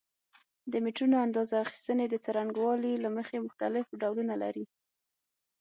د میټرونو اندازه اخیستنې د څرنګوالي له مخې مختلف ډولونه لري.